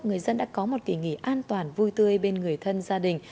người dân đã có một kỳ nghỉ an toàn vui tươi bên người thân gia đình